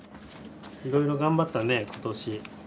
いろいろ頑張ったね今年。